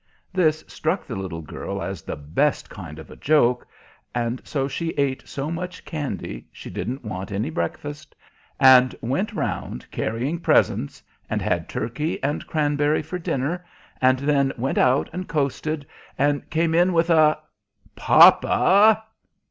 This struck the little girl as the best kind of a joke; and so she ate so much candy she didn't want any breakfast, and went round carrying presents, and had turkey and cranberry for dinner, and then went out and coasted, and came in with a "Papa!"